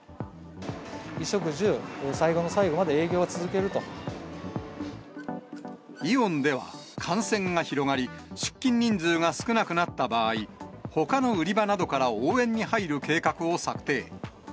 衣食住、最後の最後まで営業イオンでは、感染が広がり、出勤人数が少なくなった場合、ほかの売り場などから応援に入る計画を策定。